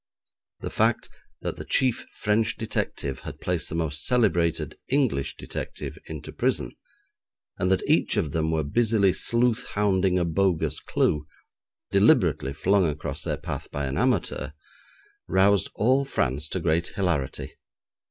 The fact that the chief French detective had placed the most celebrated English detective into prison, and that each of them were busily sleuth hounding a bogus clue, deliberately flung across their path by an amateur, roused all France to great hilarity.